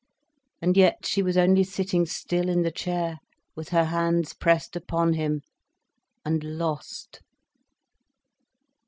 And yet she was only sitting still in the chair, with her hands pressed upon him, and lost.